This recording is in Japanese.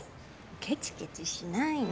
ケチケチしないの。